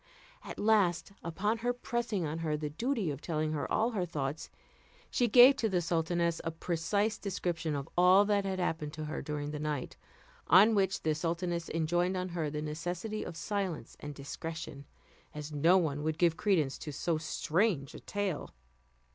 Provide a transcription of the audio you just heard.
At last, upon her pressing on her the duty of telling her all her thoughts, she gave to the sultaness a precise description of all that happened to her during the night; on which the sultaness enjoined on her the necessity of silence and discretion, as no one would give credence to so strange a tale.